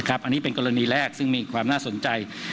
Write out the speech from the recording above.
อันนี้เป็นกรณีแรกซึ่งมีความน่าสนใจ